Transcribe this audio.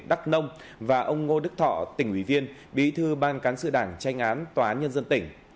đắc nông và ông ngô đức thọ tỉnh ủy viên bí thư ban cán sự đảng tranh án tòa án nhân dân tỉnh